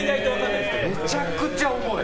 めちゃくちゃ重い。